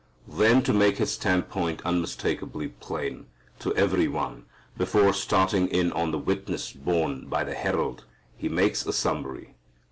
Then to make his standpoint unmistakably plain to every one, before starting in on the witness borne by the herald, he makes a summary.